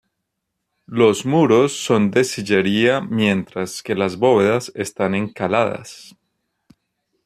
Los muros son de sillería mientras que las bóvedas están encaladas.